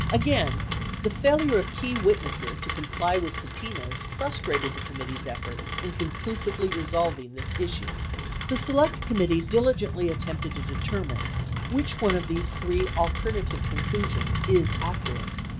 Again, the failure of key witnesses to comply with subpeffas frustrated the committee's efforts in conclusively resolving this issue. The Select Committee diligently attempted to determine which one of these three alternative conclusions is accurate.